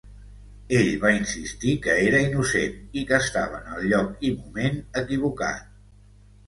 Ell va insistir que era innocent i que estava en el lloc i moment equivocat.